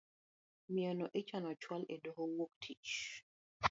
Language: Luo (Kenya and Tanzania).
Miyono ichano chual edoho wuok tich.